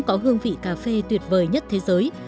có hương vị cà phê tuyệt vời nhất thế giới